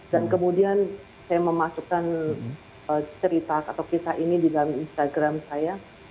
dan kemudian saya memasukkan cerita atau kisah ini di dalam instagram saya